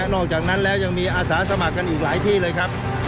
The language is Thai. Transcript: นอกจากนั้นแล้วยังมีอาสาสมัครกันอีกหลายที่เลยครับ